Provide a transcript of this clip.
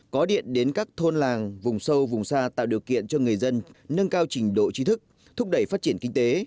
có điện đến các thôn làng vùng sâu vùng xa tạo điều kiện cho người dân nâng cao trình độ trí thức thúc đẩy phát triển kinh tế